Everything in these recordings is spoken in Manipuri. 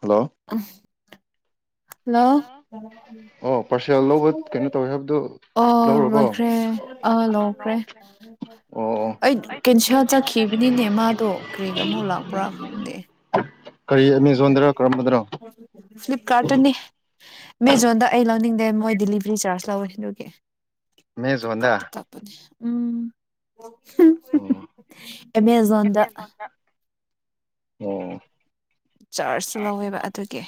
ꯍꯜꯂꯣ [unintelligible] ꯍꯜꯂꯣ ꯑꯣ ꯄꯥꯔꯁꯦꯜ ꯂꯧꯕ ꯀꯩꯅꯣ ꯇꯧꯋꯦ ꯍꯥꯏꯕꯗꯨ ꯑꯣ ꯂꯧꯔꯕꯣ ꯂꯣꯏꯈ꯭ꯔꯦ ꯑ ꯂꯧꯈ꯭ꯔꯦ ꯑꯣ ꯑꯣ ꯑꯩ ꯀꯦꯟꯁꯦꯜ ꯆꯠꯈꯤꯕꯅꯤꯅꯦ ꯃꯥꯗꯣ ꯀꯔꯤꯒꯤ ꯑꯃꯨꯛ ꯂꯥꯛꯄ꯭ꯔꯥ ꯈꯪꯗꯦ ꯀꯔꯤ ꯑꯦꯃꯦꯖꯣꯟꯗꯔꯣ ꯀꯔꯝꯕꯗꯅ‌ꯣ ꯐ꯭ꯂꯤꯞ ꯀꯥꯔꯠꯇꯅꯤ ꯃꯦꯖꯣꯟꯗ ꯑꯩ ꯂꯧꯅꯤꯡꯗꯦ ꯃꯣꯏ ꯗꯤꯂꯤꯚꯤꯔꯤ ꯆꯥꯔꯖ ꯂꯧꯋꯦ ꯑꯗꯨꯒꯤ ꯐ꯭ꯂꯤꯞ ꯀꯥꯔꯠꯇ ꯑꯦꯃꯦꯖꯣꯟꯗ ꯀꯛ ꯄꯅꯦ ꯎꯝ [unintelligible] ꯑꯦꯃꯦꯖꯣꯟꯗ ꯑꯣ ꯆꯥꯔꯖꯁꯨ ꯂꯧꯋꯦꯕ ꯑꯗꯨꯒꯤ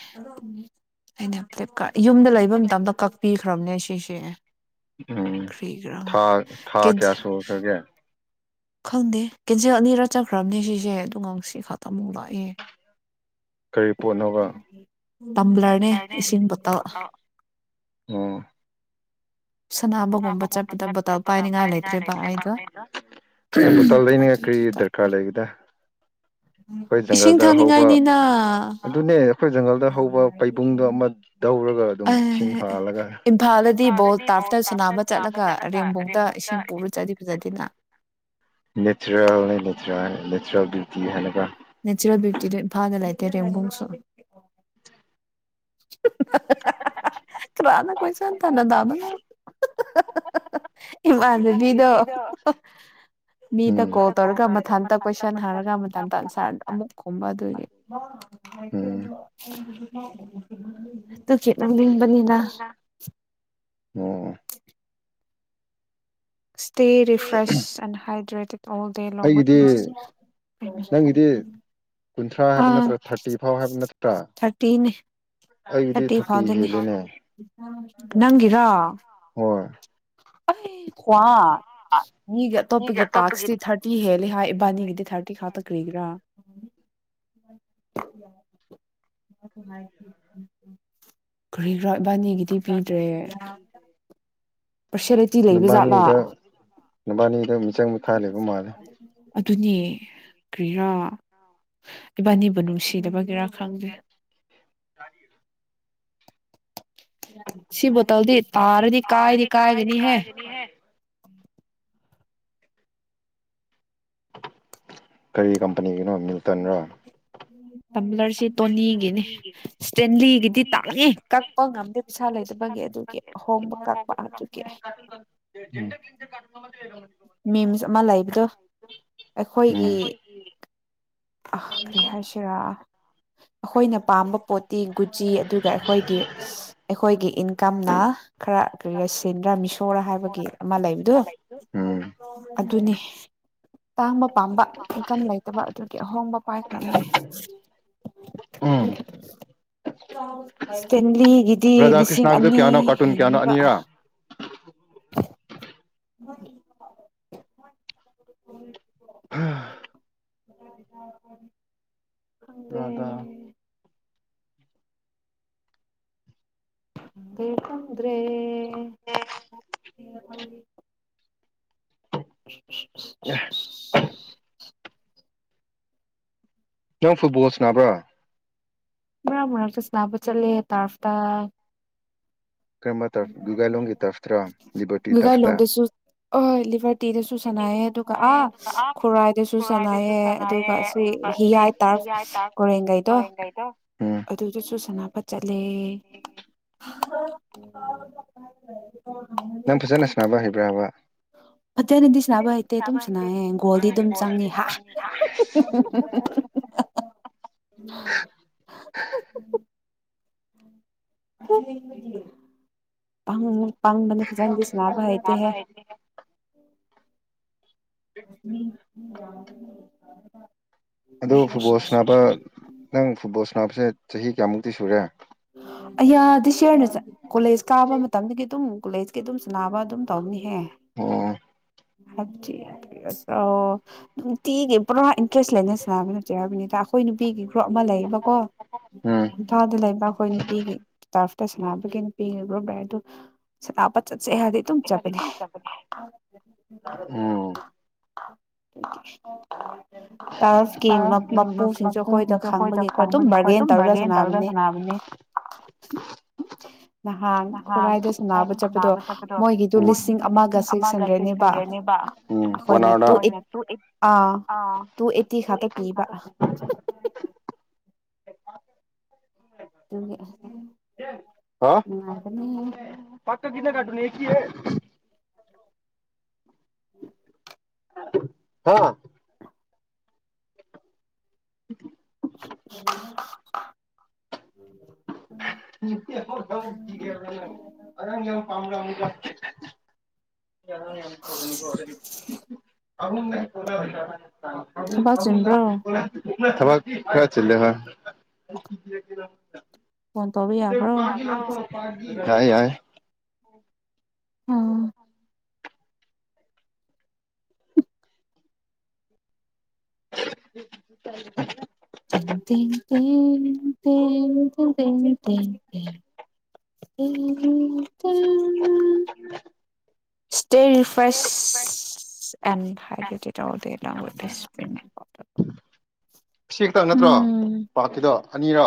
ꯑꯩꯅ ꯐ꯭ꯂꯤꯞꯀꯥꯔꯠ ꯌꯨꯝꯗ ꯂꯩꯕ ꯃꯇꯝꯗ ꯀꯛꯄꯤꯈ꯭ꯔꯕꯅꯦ ꯑꯁꯤꯁꯦ ꯎꯝ ꯀꯔꯤꯒꯤꯔꯥ ꯊꯥ ꯊꯥ ꯀꯤꯟꯁ ꯀꯌꯥ ꯁꯨꯈ꯭ꯔꯒꯦ ꯈꯪꯗꯦ ꯀꯦꯟꯁꯦꯜ ꯑꯅꯤꯔꯛ ꯆꯠꯈ꯭ꯔꯕꯅꯦ ꯁꯤꯁꯦ ꯑꯗꯨꯒ ꯉꯁꯤ ꯈꯛꯇ ꯑꯃꯨꯛ ꯂꯥꯛꯑꯦ ꯀꯔꯤ ꯄꯣꯠꯅꯣꯕ ꯇꯝꯕ꯭ꯂꯔꯅꯦ [unintelligible] ꯏꯁꯤꯡ ꯕꯣꯇꯜ ꯐ‌ꯣꯇ‌ꯣ ꯑꯣ ꯁꯅꯥꯕꯒꯨꯝꯕ ꯆꯠꯄꯗ ꯕꯣꯇꯜ ꯄꯥꯏꯅꯤꯡꯉꯥꯏ ꯂꯩꯇ꯭ꯔꯦꯕ ꯑꯩꯗꯣ ꯀꯔꯤ ꯕꯣꯇꯜ ꯂꯩꯅꯤꯡꯉꯥꯏ ꯀꯔꯤ ꯑꯗꯨꯒꯤ ꯀꯛ ꯗ꯭ꯔꯀꯥꯔ ꯂꯩꯒꯦꯗ ꯈꯣꯏ ꯏꯁꯤꯡ ꯖꯪꯒꯜꯗ ꯍꯧꯕ ꯊꯛꯅꯤꯡꯉꯥꯏꯅꯤꯅ ꯑꯗꯨꯅꯦ ꯑꯩꯈꯣꯏ ꯖꯪꯒꯜꯗ ꯍꯧꯕ ꯄꯩꯕꯨꯡꯗꯣ ꯑꯃ ꯗꯧꯔꯒ ꯑꯗꯨꯝ ꯏꯁꯤꯡ ꯑꯩ ꯍꯥꯥꯜꯂꯒ ꯏꯝꯐꯥꯜꯗꯗꯤ ꯕꯣꯜ ꯇꯥꯔꯐꯇ [unintelligible] ꯁꯥꯟꯅꯕ ꯅꯥꯕ ꯆꯠꯂꯒ ꯔꯦꯝꯕꯨꯡꯗ ꯔ‌ꯦꯝꯕꯨꯛꯇ ꯏꯁꯤꯡ ꯄꯨꯔ ꯆꯠꯂꯤ ꯐꯖꯗꯦꯅ ꯅꯦꯆꯔꯦꯜꯅ‌ꯦ ꯅꯦꯆꯔꯦꯜ ꯅꯦꯆꯔꯦꯜ ꯕ꯭ꯌꯨꯇꯤ ꯍꯥꯏꯅꯒ ꯅꯦꯆꯔꯦꯜ ꯕ꯭ꯌꯨꯇꯤꯗ‌ꯣ ꯏꯝꯐꯥꯟꯗ ꯂꯩꯥꯇꯦ ꯔꯦꯝꯕꯨꯡꯁꯨ [unintelligible] ꯀꯔꯥꯅ ꯀꯣꯏꯆꯥꯟ [unintelligible] ꯊꯗꯅ ꯏꯃꯥꯟꯅꯕꯤꯗꯣ ꯃꯤꯗ ꯎꯝ ꯀꯣꯜ ꯇꯧꯔꯒ ꯃꯊꯟꯇ ꯀꯣꯏꯁꯟ ꯍꯔꯒ ꯃꯊꯟꯇ ꯑꯟꯁ꯭ꯔ ꯑꯃꯨꯛ ꯈꯨꯝꯕ ꯑꯗꯨꯒꯤ [inaudible] [unintelligible] ꯇꯨꯒꯤ ꯅ‌ꯣꯡꯅꯤꯡꯕꯅꯤꯗ ꯑꯣ ꯏ꯭ꯇ‌ꯦꯔꯤꯐ꯭ꯔꯦꯁ ꯑꯦꯟ ꯍꯥꯏꯗ꯭ꯔꯗꯤꯠ ꯑꯣꯜ ꯗꯦ ꯂꯣꯡ ꯑꯩꯒꯤꯗꯤ ꯋꯤꯛꯅꯦꯁ ꯅꯪꯒꯤꯗꯤ [unintelligible] ꯀꯨꯟꯊ꯭ꯔꯥ ꯍꯥꯏꯕ ꯅꯠꯇ꯭ꯔꯥ ꯊꯥꯔꯇꯤ ꯐꯥꯎ ꯍꯥꯏꯕ ꯅꯠꯇ꯭ꯔꯥ ꯊꯥꯔꯇꯤꯅ‌ꯦ ꯑꯩꯒꯤꯗꯤ ꯊꯥꯔꯇꯤ ꯍꯦꯜꯂ‌ꯦꯅꯦ ꯅꯪꯒꯤꯔꯣ ꯍꯣꯏ ꯑꯩ ꯈ꯭ꯋꯥ ꯃꯤꯒꯤ ꯑꯇꯣꯞꯄꯒꯤ ꯇꯥꯛꯁꯇꯤ ꯊꯥꯔꯇꯤ ꯍꯦꯜꯂ‌ꯦ ꯍꯥꯏ ꯏꯕꯥꯅꯤꯒꯤꯗꯤ ꯊꯥꯔꯇꯤ ꯈꯛꯇ ꯀꯔꯤꯒꯤꯔꯥ [inaudible] [inaudible] ꯀꯔꯤꯔꯥ ꯏꯕꯥꯅꯤꯒꯤꯗꯤ ꯄꯤꯗ꯭ꯔꯦ [inaudible] ꯄꯥꯔꯁꯦꯂꯤꯇꯤ ꯂꯩꯕ ꯖꯥꯠꯂꯥ ꯅꯨꯕꯥꯅꯤꯗ, ꯅꯨꯕꯥꯅꯤꯗ ꯃꯤꯆꯪ ꯃꯤꯈꯥꯏꯂꯩꯕ ꯃꯥꯜꯂꯦ꯫ ꯑꯗꯨꯅꯦ ꯀ꯭ꯔꯤꯔꯥ꯫ ꯏꯕꯥꯟꯅꯤꯕꯨ ꯅꯨꯡꯁꯤꯗꯕꯒꯤꯔꯥ ꯈꯪꯗꯦ꯫ [unintelligible] ꯁꯤ ꯕꯣꯇꯜꯗꯤ ꯇꯥꯔꯗꯤ ꯀꯥꯏꯅꯗꯤ ꯀꯥꯏꯒꯅꯤꯍꯦ꯫ ꯀꯔꯤ ꯀꯝꯄꯅꯤꯒꯤꯅꯣ ꯃꯤꯜ ꯇꯝꯕ꯭ꯂꯔ ꯁꯤ ꯇꯣꯅꯤꯒꯤꯅꯤ ꯏꯁꯇꯦꯟꯂꯤꯒꯤꯗꯤ ꯇꯥꯛꯉꯦ ꯀꯛꯄ ꯉꯝꯗꯦ ꯄꯩꯁꯥ ꯂꯩꯗꯕꯒꯤ ꯑꯗꯨꯒꯤ꯫ ꯑꯍꯣꯡꯕ ꯀꯛꯄ ꯑꯗꯨꯒꯤ꯫ [unintelligible] ꯃꯤꯝꯁ ꯑꯃ ꯂꯩꯕꯗꯣ ꯑꯩꯈꯣꯏꯒꯤ, ꯎꯝ ꯀ꯭ꯔꯤ ꯍꯥꯏꯁꯤꯔ, ꯑꯩꯈꯣꯏꯅ ꯄꯥꯝꯕ ꯄꯣꯠꯇꯤ ꯒꯨꯠꯖꯤ ꯑꯗꯨꯒ ꯑꯩꯈꯣꯏꯒꯤ ꯑꯩꯈꯣꯏꯒꯤ ꯏꯟꯀꯝꯅ ꯈꯔ ꯀꯔꯤꯔꯥ ꯁꯦꯟꯗ꯭ꯔꯥ ꯃꯤꯁꯣꯔꯣꯔꯥ ꯍꯥꯏꯕꯒꯤ ꯑꯃ ꯂꯩꯕꯗꯣ ꯎꯝ ꯑꯗꯨꯅꯤ꯫ ꯇꯥꯡꯕ ꯄꯥꯝꯕ ꯏꯟꯀꯝ ꯂꯩꯇꯕ ꯑꯗꯨꯒꯤ ꯑꯍꯣꯡꯕ ꯎꯄꯥꯏ ꯈꯔꯝꯅꯦ꯫ ꯎꯝ [inaudible] ꯏꯁꯇꯦꯟꯂꯤꯒꯤꯗꯤ ꯔꯙꯥ ꯂꯤꯁꯤꯡ ꯀ꯭ꯔꯤꯁꯅꯒꯤꯗꯣ ꯑꯅꯤ ꯀꯌꯥꯅꯣ ꯀꯥꯔꯇꯨꯟ ꯀꯌꯥꯅꯣ ꯍꯦꯟꯂꯦꯕ꯫ ꯑꯅꯤꯔꯥ [inaudible] [unintelligible] [inaudible] ꯈꯪꯗ꯭ꯔꯦ [unintelligible] [unintelligible] [inaudible] [inaudible] ꯅꯪ ꯐꯨꯠꯕꯣꯜ ꯁꯅꯕ꯭ꯔꯣ? ꯃꯔꯛ ꯃꯔꯛꯇ ꯁꯅꯥꯕ ꯆꯠꯂꯦ ꯇꯥꯞꯁꯇ꯫ ꯀꯔꯝꯕ ꯇꯔꯐ ꯒꯨꯒꯥꯏꯂꯣꯡꯒꯤ ꯇꯔꯐꯇꯔꯥ ꯂꯤꯕꯔꯇꯤ ꯂꯥꯒꯥꯏ ꯇꯔꯐꯇ ꯂꯣꯡꯗꯁꯨ꯫ ꯍꯣꯏ ꯂꯤꯚꯔꯇꯤꯗꯁꯨ ꯁꯥꯟꯅꯥꯏꯑꯦ ꯑꯗꯨꯒ ꯑꯥ ꯈꯨꯔꯥꯏꯗꯁꯨ ꯁꯥꯟꯅꯥꯏꯌꯦ ꯑꯗꯨꯒ ꯍꯤꯌꯥꯥꯏ ꯇꯥꯔꯐ ꯀꯣꯔꯦꯡꯒꯩꯗꯣ꯫ ꯎꯝ ꯑꯗꯨꯗꯁꯨ ꯁꯅꯕ ꯆꯠꯂꯦ꯫ ꯅꯪ ꯐꯖꯅ ꯁꯥꯟꯅꯕ ꯍꯩꯕ꯭ꯔꯕ? ꯐꯖꯅꯗꯤ ꯁꯥꯟꯅꯕ ꯍꯩꯇꯦ ꯑꯗꯨꯝ ꯁꯅꯥꯕ ꯁꯥꯟꯅꯩꯌꯦ ꯒꯣꯜꯗꯤ ꯍꯩꯇꯦ ꯕꯣꯜ ꯗꯤ ꯆꯪꯉꯦ ꯑꯗꯨꯝ ꯍꯥ ꯇꯝꯃꯤꯕ꯫ [inaudible] [inaudible] [inaudible] ꯄꯥꯡ ꯄꯥꯡꯕꯅꯤ ꯐꯖꯅꯗꯤ ꯁꯅꯥꯕ ꯍꯩꯇꯦꯍꯦ꯫ [unintelligible] ꯑꯗꯣ ꯐꯨꯠꯕꯣꯜ ꯁꯅꯕ ꯅꯪ ꯐꯨꯠꯕꯣꯜ ꯁꯅꯕꯁꯦ ꯆꯍꯤ ꯀꯌꯥꯃꯨꯛꯇꯤ ꯁꯨꯔꯦ? ꯑꯌꯥ ꯗꯤꯁꯤꯌꯔꯗ ꯆꯠ ꯀꯣꯂꯦꯖ ꯀꯥꯕ ꯃꯇꯝꯗꯒꯤ ꯑꯗꯨꯝ ꯀꯣꯂꯦꯖꯀꯤ ꯑꯗꯨꯝ ꯁꯟꯅꯕ ꯑꯗꯨꯝ ꯇꯧꯕꯅꯤꯍꯦ꯫ ꯑꯣ ꯑꯣ ꯅꯨꯡꯇꯤꯒꯤ ꯄꯨꯔꯥ ꯀ꯭ꯔꯦꯁ ꯂꯩꯅꯤꯁ ꯅꯕ ꯅꯠꯇꯦ ꯍꯥꯏꯕꯅꯤꯗ ꯑꯩꯈꯣꯏ ꯅꯨꯄꯤꯒꯤ ꯒ꯭ꯔꯨꯞ ꯑꯃ ꯂꯩꯌꯦꯕꯀꯣ ꯎꯝ ꯏꯝꯐꯥꯜꯗ ꯂꯩꯕ꯫ ꯑꯩꯈꯣꯏ ꯅꯨꯄꯤꯒꯤ ꯇꯔꯐꯇ ꯁꯥꯟꯅꯕꯒꯤ ꯅꯨꯄꯤꯒꯤ ꯒ꯭ꯔꯨꯞ ꯂꯩ ꯑꯗꯨ ꯁꯥꯟꯅꯕ ꯆꯠꯁꯦ ꯍꯥꯏꯗꯤ ꯎꯝ [unintelligible] [unintelligible] ꯇꯔꯛꯀꯤ ꯃꯄꯨꯁꯤꯡꯁꯦ ꯑꯩꯈꯣꯏꯗ ꯈꯥꯡꯕꯒꯤꯀꯣ ꯑꯗꯨꯝ ꯕꯥꯔꯒꯦꯟ ꯇꯧꯔꯒ ꯁꯥꯟꯅꯕꯅꯦ [unintelligible] ꯅꯍꯥꯟ ꯈꯨꯔꯥꯏꯗ ꯁꯥꯟꯅꯕ ꯀꯗꯥꯏꯗ ꯁꯅꯥꯕ ꯆꯠꯄꯗꯣ ꯃꯣꯏꯒꯤꯗꯨ ꯃꯣꯏꯅꯤꯁꯨ ꯂꯤꯁꯤꯡ ꯁꯤꯛꯁ ꯑꯃꯒ ꯍꯟꯗ꯭ꯔꯦꯗꯅꯦꯕ ꯆꯦꯛꯁꯟꯈ꯭ꯔꯅꯦꯕ ꯎꯝ ꯑꯩꯈꯣꯏꯅ ꯄꯣꯅꯥꯔꯗ ꯇꯨ ꯑꯩꯠ ꯑꯥ ꯇꯨ ꯑꯦꯠꯇꯤ ꯈꯠꯇ ꯄꯤꯕ ꯑꯗꯨꯒꯤ ꯍꯥ ꯅꯨꯡꯉꯥꯏꯕꯅ‌ꯦ [unintelligible] [inaudible] ꯍꯥ [inaudible] [unintelligible] [inaudible] [unintelligible] ꯌꯥꯝ ꯌꯥꯝ ꯇꯧꯒꯅꯨꯀꯣ ꯊꯕꯛ ꯆꯤꯟꯕ꯭ꯔꯣ [unintelligible] ꯊꯕꯛ ꯈꯔ ꯆꯤꯜꯂꯦ ꯍ‌ꯣꯏ ꯐꯣꯟ ꯇꯧꯕꯤ ꯌꯥꯏ ꯌꯥꯏ ꯑ‌ꯣ [unintelligible] ꯇꯤꯡ ꯇꯤꯡ ꯇꯤꯡ ꯇꯤꯡ ꯇꯤꯡ ꯇꯤꯡ [unintelligible] [unintelligible] ꯁꯇꯦꯞ [unintelligible] ꯁꯤ ꯈꯛꯇꯪ ꯅꯠꯇ꯭ꯔꯣ ꯄꯥꯛꯀꯤꯗ ꯑꯅꯤꯔꯣ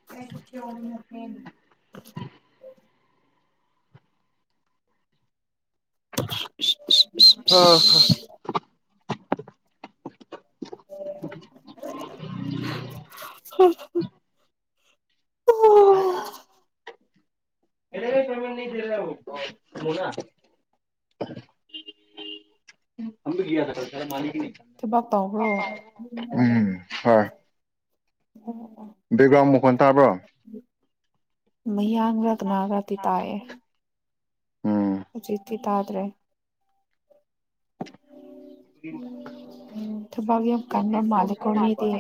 [unintelligible] [unintelligible] ꯑꯥ ꯍ [unintelligible] [unintelligible] [unintelligible] ꯇꯧꯕ꯭ꯔꯣ ꯃꯌꯥꯡꯂ [unintelligible] ꯎꯝ ꯍꯣꯏ [unintelligible] ꯕꯦꯛꯒ꯭ꯔꯥꯎꯟ ꯃꯈꯣꯟ ꯇꯥꯕ꯭ꯔꯣ ꯃꯌꯥꯡꯔ ꯀꯅꯥꯔꯗꯤ ꯇꯥꯏꯑꯦ ꯎꯝ ꯍꯧꯖꯤꯛꯇꯤ ꯇꯥꯗ꯭ꯔꯦ ꯎꯝ ꯊꯕꯛ ꯌꯥꯝ ꯀꯟꯕ ꯃꯥꯂꯦꯀꯣ ꯃꯤꯗꯤ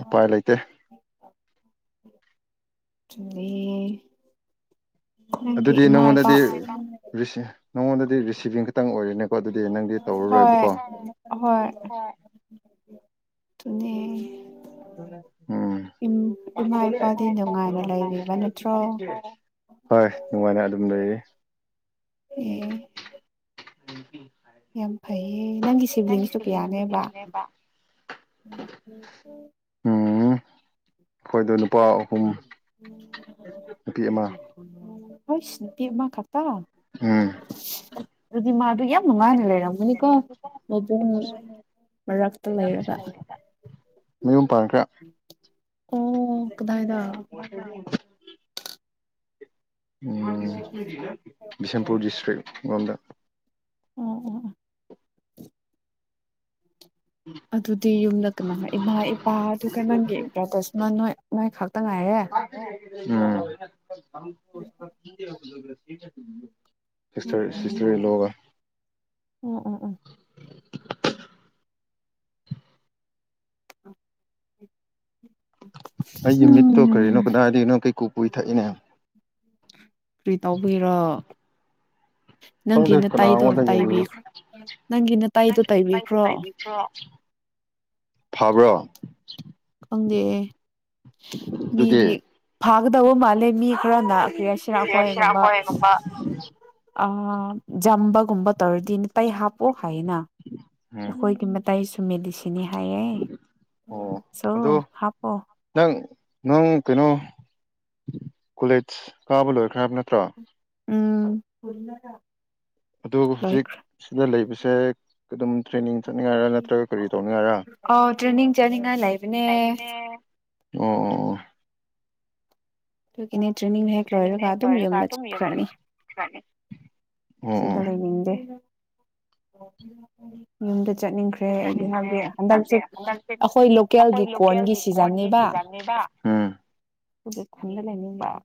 ꯎꯄꯥꯏ ꯂꯩꯇꯦ ꯆꯤꯡꯅꯩꯌ‌ꯦ ꯅꯪꯒꯤ ꯑꯗꯨꯗꯤ ꯏꯃꯥ ꯏꯄꯥ ꯅꯪꯉꯣꯟꯗꯗꯤ ꯔꯤꯁꯤ ꯅꯪꯉꯣꯟꯗꯗꯤ ꯔꯤꯁꯤꯚꯤꯡ ꯈꯛꯇꯪ ꯑꯣꯏꯔꯦꯅꯦ ꯀꯣ ꯑꯗꯨꯗꯤ ꯅꯪꯗꯤ ꯇꯧꯔꯔꯣꯏꯕꯀꯣ ꯇꯨꯅꯦ ꯎꯝ ꯏꯃꯥ ꯏꯄꯥꯗꯤ ꯅꯨꯡꯉꯥꯏꯅ ꯂꯩꯔꯤꯕ ꯅꯠꯇ꯭ꯔꯣ [unintelligible] ꯍꯣꯏ ꯅꯨꯡꯉꯥꯏꯅ ꯑꯗꯨꯝ ꯂꯩꯔꯤ ꯎꯝ [unintelligible] ꯌꯥꯝ ꯐꯩꯌꯦ ꯅꯪꯒꯤ ꯁꯤꯕ꯭ꯂꯤꯡꯁꯇꯨ ꯀꯌꯥꯅꯦꯕ ꯎꯝ ꯑꯩꯈꯣꯏꯗꯣ ꯅꯨꯄꯥ ꯑꯍꯨꯝ ꯅꯨꯄꯤ ꯑꯃ ꯍꯥꯏꯁ ꯅꯨꯄꯤ ꯑꯃꯥ ꯈꯛꯇ ꯎꯝ ꯑꯗꯨꯗꯤ ꯃꯥꯗꯨ ꯌꯥꯝ ꯅꯨꯡꯉꯥꯏꯅ ꯂꯩꯔꯝ ꯅꯤꯀꯣ ꯃꯕꯨꯡ ꯃꯔꯛꯇ ꯂꯩꯔꯒ ꯃꯌꯨꯝ ꯄꯥꯟꯈ꯭ꯔꯦ ꯑꯣ ꯀꯗꯥꯏꯗ ꯎꯝ ꯕꯤꯁꯦꯟꯄꯨꯔ ꯗꯤꯁꯇ꯭ꯔꯤꯛ ꯔꯣꯝꯗ ꯑꯣ ꯑꯣ ꯑꯗꯨꯗꯤ ꯌꯨꯝꯗ ꯀꯅꯥ ꯏꯃꯥ ꯏꯄꯥꯗꯨ ꯑꯗꯨꯒ ꯅꯪꯒꯤ ꯕ꯭ꯔꯥꯗꯔꯁ ꯅꯣꯏ ꯅꯣꯏ ꯈꯛꯇ ꯉꯥꯏꯔꯦ ꯎꯝ ꯌꯥꯝ ꯁꯤꯁꯇ꯭ꯔ ꯁꯤꯁꯇ꯭ꯔ ꯏꯟꯂꯣꯒꯥ ꯎꯝ ꯎꯝ ꯎꯝ [inaudible] ꯑꯩꯒꯤ ꯃꯤꯠꯇꯣ ꯀꯔꯤꯅꯣ ꯎꯝ ꯀꯗꯥꯏꯗꯒꯤꯅꯣ ꯀꯩꯀꯨ ꯀꯨꯏ ꯊꯛꯏꯅꯦ ꯀꯔꯤ ꯇꯧꯕꯒꯤꯔꯣ ꯅꯪꯒꯤ ꯈꯪꯗꯦ ꯅꯇꯩꯗꯣ ꯀꯅꯥꯉꯣꯟꯗ ꯌꯦꯡꯕꯤꯌꯨ ꯇꯥꯏꯕꯤꯈ꯭ꯔꯣ ꯅꯪꯒꯤ ꯅꯇꯩꯗꯣ ꯇꯩꯕꯤꯈ꯭ꯔꯣ ꯐꯕ꯭ꯔꯣ ꯈꯪꯗꯦ ꯃꯤꯗꯤ ꯑꯗꯨꯗꯤ ꯐꯥꯒꯗꯕ ꯃꯥꯜꯂꯦ ꯃꯤ ꯈꯔꯅꯥ ꯑꯩꯀꯣꯏꯒꯨꯝꯕ ꯑꯥ ꯖꯝꯕꯒꯨꯝꯕ ꯇꯧꯔꯗꯤ ꯃꯥꯇꯩ ꯍꯥꯞꯄꯣ ꯍꯥꯏꯌꯦꯅ ꯎꯝ ꯑꯩꯈꯣꯏꯒꯤ ꯃꯇꯩꯁꯨ ꯃꯦꯗꯤꯁꯤꯟꯅꯤ ꯍꯥꯏꯌꯦ ꯑꯣ ꯁꯣ ꯑꯗꯣ ꯍꯥꯞꯄꯣ ꯅꯪ ꯅꯪ ꯀꯩꯅꯣ ꯀꯣꯂꯦꯖ ꯀꯥꯕ ꯂꯣꯏꯈ꯭ꯔꯦ ꯍꯥꯏꯕ ꯅꯠꯇ꯭ꯔꯣ ꯎꯝ ꯑꯗꯨ ꯍꯧꯖꯤꯛ ꯂꯣꯏꯈ꯭ꯔꯦ ꯁꯤꯗ ꯂꯩꯕꯁꯦꯝ ꯑꯗꯨꯝ ꯇ꯭ꯔꯦꯅꯤꯡ ꯆꯠꯅꯤꯉꯥꯏꯔ ꯅꯠꯇ꯭ꯔꯒ ꯀꯔꯤ ꯇꯧꯅꯤꯉꯥꯏꯔ ꯑꯣ ꯇ꯭ꯔꯦꯅꯤꯡ ꯆꯠꯅꯤꯉꯥꯏ ꯂꯩꯕꯅꯦ ꯑꯣ ꯑꯣ ꯑꯣ ꯑꯗꯨꯒꯤꯅꯦ ꯇ꯭ꯔꯦꯅꯤꯡ ꯍꯦꯛ ꯂꯣꯏꯔꯒ ꯑꯗꯨꯝ ꯌꯨꯝꯗ ꯆꯠꯈ꯭ꯔꯅꯤ ꯑꯣ ꯑꯣ ꯁꯤꯗꯥ ꯑꯣ ꯂꯩꯅꯤꯡꯗꯦ ꯌꯨꯝꯗ ꯆꯠꯅꯤꯡꯈ꯭ꯔꯦ ꯑꯩꯗꯤ ꯍꯥꯏꯕꯗꯤ ꯍꯟꯗꯛꯁꯦ ꯑꯩꯈꯣꯏ ꯂꯣꯀꯦꯜꯒꯤ ꯀꯣꯔꯟꯒꯤ ꯁꯤꯖꯟꯅꯤꯕ ꯎꯝ ꯈꯨꯜꯗꯥ ꯂꯩꯅꯤꯡꯕ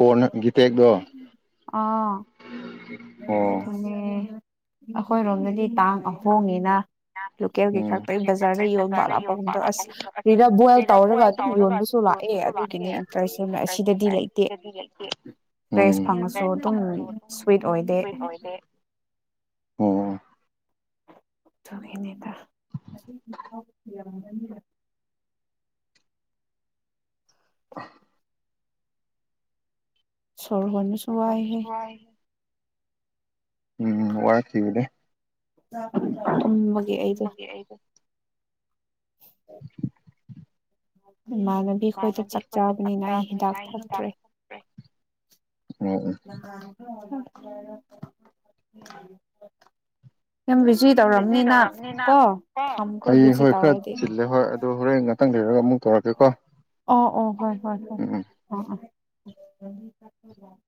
ꯀꯣꯟꯅ ꯒꯤꯇꯦꯛꯗꯣ ꯑꯥ ꯑꯗꯨꯅꯦ ꯑꯩꯈꯣꯏꯔꯣꯝꯗꯗꯤ ꯇꯥꯡ ꯑꯍꯣꯡꯉꯤꯅ ꯂꯣꯀꯦꯜꯒꯤ ꯎꯝ ꯈꯛꯇꯒꯤ ꯕꯖꯥꯔꯒ ꯌꯣꯟꯕ ꯑꯂꯥꯞꯄꯒꯨꯝꯗ ꯑꯁꯤꯗ ꯕꯣꯏꯜ ꯇꯧꯔꯒ ꯑꯗꯨꯝ ꯌꯣꯟꯕꯁꯨ ꯂꯥꯛꯑꯦ ꯑꯗꯨꯒꯤꯅꯤ ꯏꯟꯇꯔꯦꯁꯁꯨ ꯑꯁꯤꯗꯗꯤ ꯂꯩꯇꯦ ꯔꯦꯁ꯭ꯠ ꯐꯪꯉꯁꯨ ꯑꯗꯨꯝ ꯁ꯭ꯋꯤꯠ ꯑꯣꯏꯗꯦ [unintelligible] ꯑꯣꯏꯗꯦ ꯎꯝ ꯑꯗꯨꯒꯤꯅꯤꯗ [unintelligible] [inaudible] ꯁꯣꯔꯍꫭꯟꯅꯤ ꯁꫭꯔꯍꫭꯟꯕꯁꯨ ꯋꯥꯏ ꯎꯝ ꯋꯥꯔꯁꯤꯕꯨꯅꯦ ꯇꯨꯝꯃꯒꯦ ꯑꯩꯗꯣ [inaudible] ꯏꯃꯥꯟꯅꯕꯤꯈꯣꯏꯗ ꯆꯥꯛ ꯆꯥꯕꯅꯤꯅ ꯑꯩ ꯍꯤꯗꯥꯛ ꯊꯛꯇ꯭ꯔꯦ꯫ [unintelligible] [unintelligible] ꯌꯥꯝ ꯅꯪ ꯕꯤꯖꯤ ꯇꯧꯔꯝꯅꯤꯅ ꯇꯧꯔꯕꯅꯤꯅ ꯀꯣ ꯀꫭ ꯊꯝꯈ꯭ꯔꯣ ꯑꯩ ꯕꯤꯖꯤ ꯍꯣꯏ ꯈꯔ ꯇꯧꯔꯗꯤ ꯆꯤꯜꯂꯦ ꯍꯣꯏ ꯑꯗꯨ ꯍꯣꯔꯦꯟ ꯉꯛ ꯇꯪ ꯂꯩꯔꯒ ꯑꯃꯨꯛ ꯇꯧꯔꯛꯀꯦꯀꯣ꯫ ꯑꯣ ꯑꯣ ꯍꯣꯏ ꯍꯣꯏ ꯍꫭꯏ ꯎꯝ ꯎꯝ ꯑꫭ ꯑꫭ